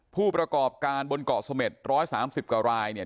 ผู้ประกอบการบนเกาะเสม็ด๑๓๐กว่ารายเนี่ย